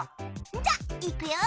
じゃいくよ。